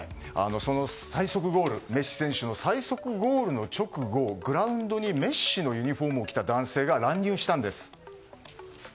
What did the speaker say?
そのメッシ選手の最速ゴールの勅語グラウンドにメッシのユニホームを着た男性が乱入したんです。